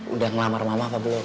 udah ngelamar mama apa belum